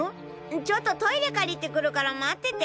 ちょっとトイレ借りてくるから待ってて！！